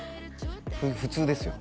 普通ですよ